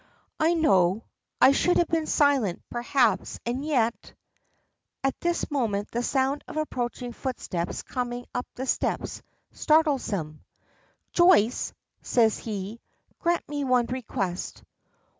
"I know. I should have been silent, perhaps, and yet " At this moment the sound of approaching footsteps coming up the steps startles them. "Joyce!" says he, "grant me one request."